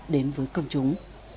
đến với công chúng